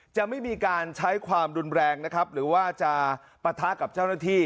จะไม่มีการใช้ความรุนแรงนะครับหรือว่าจะปะทะกับเจ้าหน้าที่